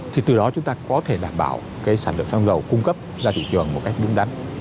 thì từ đó chúng ta có thể đảm bảo cái sản lượng xăng dầu cung cấp ra thị trường một cách đúng đắn